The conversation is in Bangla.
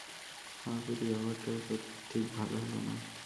আমার প্রতি ব্যবহারটাও তো ঠিক ভালো হল না।